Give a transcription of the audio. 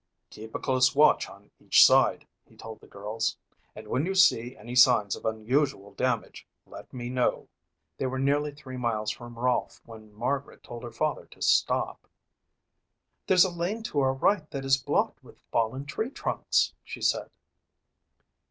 "Keep a close watch on each side," he told the girls, "and when you see any signs of unusual damage let me know." They were nearly three miles from Rolfe when Margaret told her father to stop. "There's a lane to our right that is blocked with fallen tree trunks," she said.